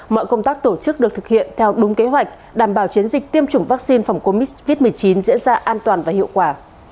mọi công tác tổ chức được thực hiện theo đúng kế hoạch đảm bảo chiến dịch tiêm chủng vaccine phòng covid một mươi chín diễn ra an toàn và hiệu quả